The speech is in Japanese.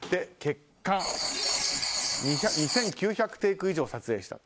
結果、２９００テイク以上撮影。